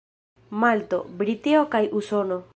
Malto, Britio kaj Usono.